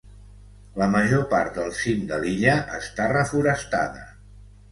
La major part del cim de l'illa està reforestada.